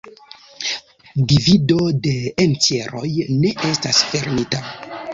Divido de entjeroj ne estas fermita.